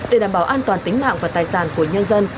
để đảm bảo an toàn tính mạng và tài sản của nhân dân